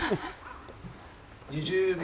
２０秒。